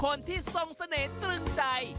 คนที่ทรงเสน่ห์ตรึงใจ